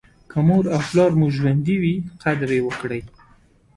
که مور او پلار مو ژوندي وي قدر یې وکړئ.